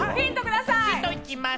ヒント行きます。